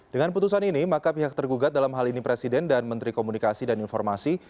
dengan putusan ini maka pihak tergugat dalam hal ini presiden dan menteri komunikasi dan informasi